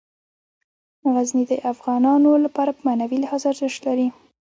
غزني د افغانانو لپاره په معنوي لحاظ ارزښت لري.